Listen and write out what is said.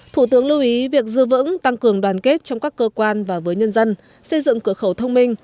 thủ tướng lưu ý việc dư vững tăng cường đoàn kết trong các cơ quan và với nhân dân xây dựng cửa khẩu thông minh